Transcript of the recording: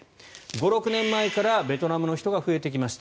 ５６年前からベトナムの人が増えてきました。